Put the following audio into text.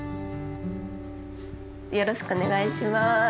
よろしくお願いします。